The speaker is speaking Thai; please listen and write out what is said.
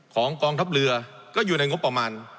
กองทัพเรือก็อยู่ในงบประมาณ